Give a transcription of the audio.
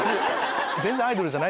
全然アイドルじゃない。